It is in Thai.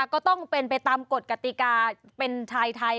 ก็ต้องเป็นไปตามกฎกติกาเป็นชายไทย